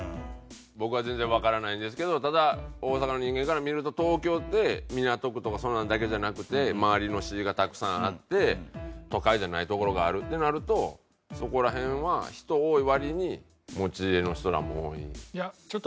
僕は全然わからないんですけどただ大阪の人間から見ると東京って港区とかそんなのだけじゃなくて周りの市がたくさんあって都会じゃない所があるってなるとそこら辺は人多い割に持ち家の人らも多い。